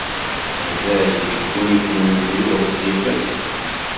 Mazal yegguni-ken ubrid ɣezzifen.